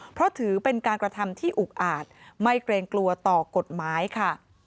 เพราะถือเป็นการกระทำที่อุกอาจไม่เกรงกลัวต่อกฎหมายค่ะ